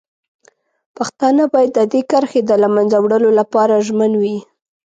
پښتانه باید د دې کرښې د له منځه وړلو لپاره ژمن وي.